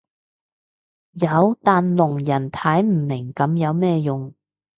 有但聾人睇唔明噉有咩用